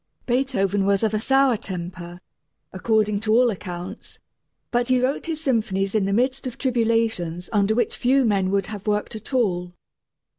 Beethoven was of a sour temper, according to all accounts, but he wrote his symphonies in the midst of tribulations under which few men would have worked at all.